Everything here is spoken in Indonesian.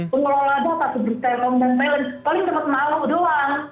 pengelola data pasti berkata kata paling cepat malu doang